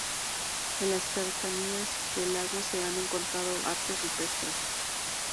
En las cercanías del lago se han encontrado artes rupestres.